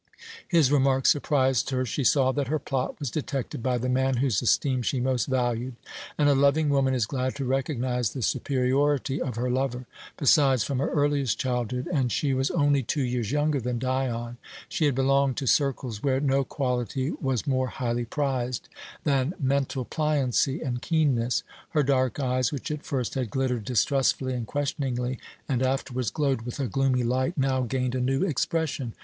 His remark surprised her. She saw that her plot was detected by the man whose esteem she most valued, and a loving woman is glad to recognize the superiority of her lover. Besides, from her earliest childhood and she was only two years younger than Dion she had belonged to circles where no quality was more highly prized than mental pliancy and keenness. Her dark eyes, which at first had glittered distrustfully and questioningly and afterwards glowed with a gloomy light, now gained a new expression.